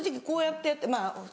こうやってやって。